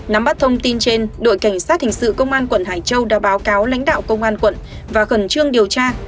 nắm bắt thông tin trên đội cảnh sát hình sự công an quận hải châu đã báo cáo lãnh đạo công an quận và khẩn trương điều tra